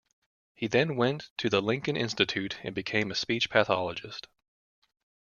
He then went to the Lincoln Institute and became a speech pathologist.